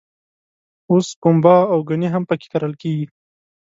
اوس پنبه او ګني هم په کې کرل کېږي.